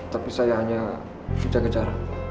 tapi saya hanya menjaga jarak